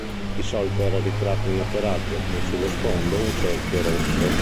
Di solito era ritratta in atterraggio, con sullo sfondo un cerchio rosso.